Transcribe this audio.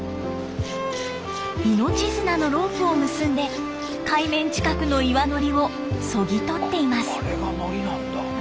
命綱のロープを結んで海面近くの岩のりをそぎ取っています。